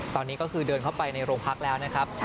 ตอนนี้ก็คือเดินเข้าไปในโรงพักแล้วนะครับ